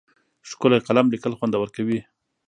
ښکلی قلم لیکل خوندور کوي.